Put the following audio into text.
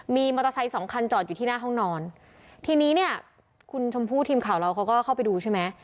มีมอเตอร์ไซค์สองคันจอดอยู่ที่หน้าห้องนอนทีนี้เนี่ยคุณชมพู่ทีมข่าวเราเขาก็เข้าไปดูใช่ไหม